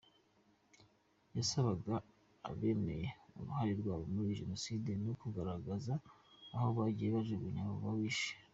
Yasabaga abemeye uruhare rwabo muri Jenoside no kugaragaza aho bagiye bajugunya abo bishe.